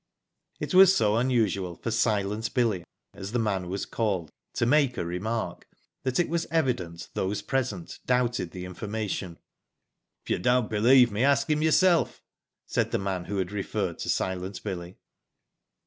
It was so unusual for " Silent Billy, " as the man was called, to make a remark that it was evident those present doubted the information. " If you don't believe me, ask him yourself," said the man who had referred to " Silent Billy."